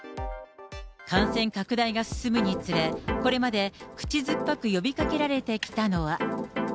感染拡大が進むにつれ、これまで口ずっぱく呼びかけられてきたのは。